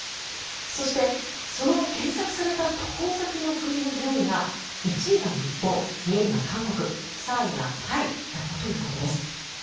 そして、その検索された渡航先の国の上位が１位が日本、２位が韓国３位がタイだったということです。